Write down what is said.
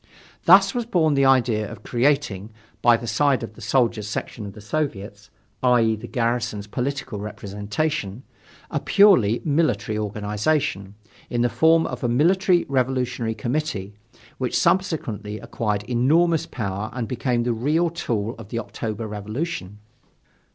Thus was born the idea of creating by the side of the Soldiers' section of the Soviet, i. e., the garrison's political representation a purely military organization, in the form of a Military Revolutionary Committee, which subsequently acquired enormous power and became the real tool of the October Revolution.